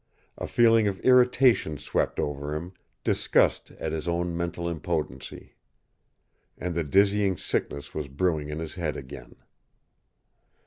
A feeling of irritation swept over him, disgust at his own mental impotency. And the dizzying sickness was brewing in his head again.